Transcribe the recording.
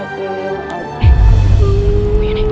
udah cepetan cepetan